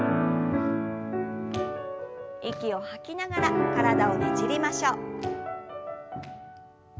息を吐きながら体をねじりましょう。